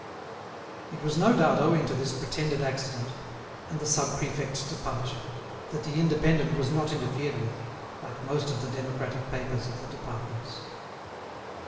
It was no doubt owing to this pretended accident, and the sub prefect's departure, that the "Indépendant" was not interfered with, like most of the democratic papers of the departments.